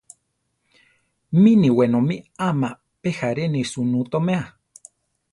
Mini wenómi ama pe járeni sunú toméa.